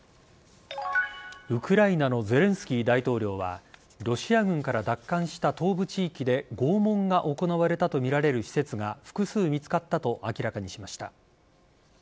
ウクライナのゼレンスキー大統領はロシア軍から奪還した東部地域で拷問が行われたとみられる施設が複数見つかったと明らかにしました。